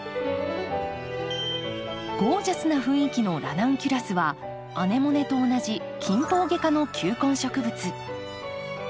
ゴージャスな雰囲気のラナンキュラスはアネモネと同じキンポウゲ科の球根植物。